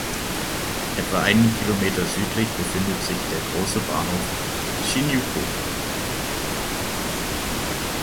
Etwa einen Kilometer südlich befindet sich der große Bahnhof Shinjuku.